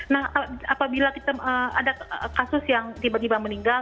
nah apabila kita ada kasus yang tiba tiba meninggal